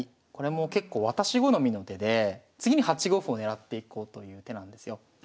これも結構私好みの手で次に８五歩を狙っていこうという手なんですよ。